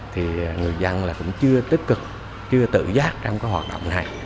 thì người dân là cũng chưa tích cực chưa tự giác trong cái hoạt động này